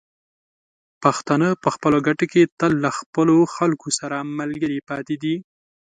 پښتانه په خپلو ګټو کې تل له خپلو خلکو سره ملګري پاتې دي.